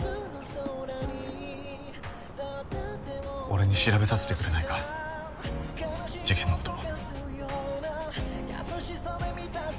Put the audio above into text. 俺に調べさせてくれないか事件のこと。